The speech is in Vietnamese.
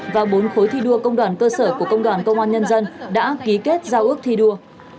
và bốn khối thi đua công đoàn cơ sở của công đoàn công an nhân dân đã ký kết giao ước thi đua